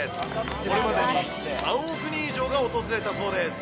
これまでに３億人以上が訪れたそうです。